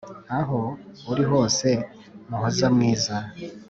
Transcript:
aho uri hose muhoza mwiza,